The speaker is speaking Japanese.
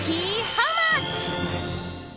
ハウマッチ。